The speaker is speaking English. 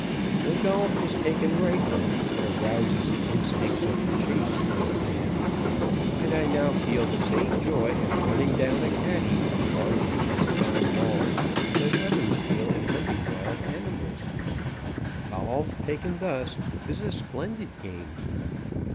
When golf is taken rightly it arouses the instincts of the chase in a man, and I now feel the same joy in running down a caddy and bargaining for found balls that others feel in hunting wild animals. Golf, taken thus, is a splendid game.